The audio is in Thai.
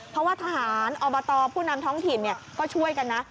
เพราะว่าทหารอบตผู้นำท้องถิ่นก็ช่วยกันนะ